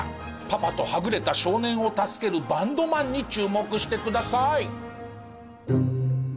パパとはぐれた少年を助けるバンドマンに注目してください。